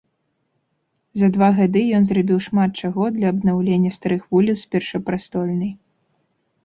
За два гады ён зрабіў шмат чаго для абнаўлення старых вуліц першапрастольнай.